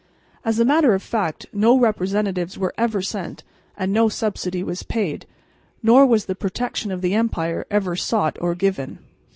As a matter of fact, no representatives were ever sent and no subsidy was paid, nor was the protection of the empire ever sought or given.